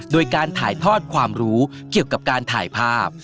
โดยการถ่ายทอดความรู้เกี่ยวกับการถ่ายภาพ